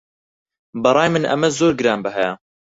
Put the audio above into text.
بەڕای من ئەمە زۆر گرانبەهایە.